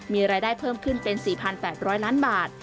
มีรายได้เพิ่มขึ้นเป็น๔๘๐๐ล้านบาท